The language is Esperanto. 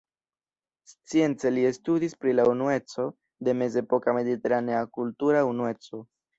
Science li studis pri la unueco de mezepoka mediteranea kultura unueco.